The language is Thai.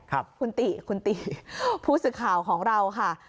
คุณติคุณติผู้สื่อข่าวของเราค่ะ